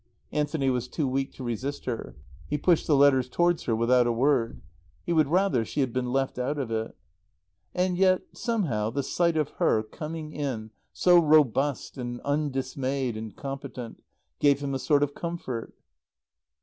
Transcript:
Anthony was too weak to resist her. He pushed the letters towards her without a word. He would rather she had been left out of it. And yet somehow the sight of her, coming in, so robust and undismayed and competent, gave him a sort of comfort.